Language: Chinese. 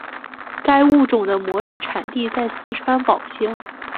该物种的模式产地在四川宝兴。